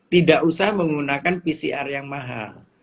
tidak usah menggunakan pcr yang mahal